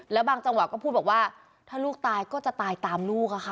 แล้วบางจังหวะก็พูดบอกว่าถ้าลูกตายก็จะตายตามลูกอะค่ะ